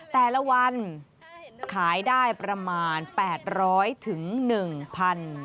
แต่ละวันขายได้ประมาณ๘๐๐ถึง๑๐๐บาท